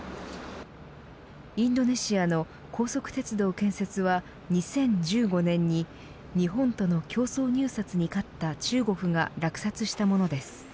インドネシアの高速鉄道建設は２０１５年に日本との競争入札に勝った中国が落札したものです。